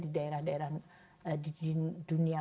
di daerah daerah di dunia